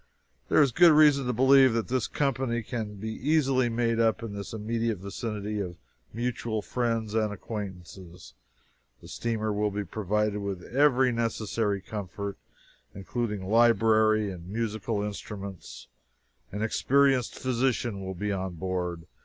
There is good reason to believe that this company can be easily made up in this immediate vicinity, of mutual friends and acquaintances. The steamer will be provided with every necessary comfort, including library and musical instruments. An experienced physician will be on board.